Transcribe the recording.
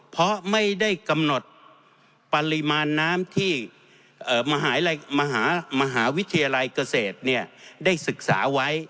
เพราะไม่ได้กำหนดปริมาณน้ำที่มหาวิทยาลัยเกษตรได้ศึกษาไว้